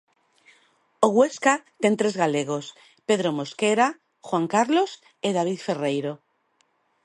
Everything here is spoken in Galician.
O Huesca ten tres galegos, Pedro Mosquera, Juan Carlos e David Ferreiro.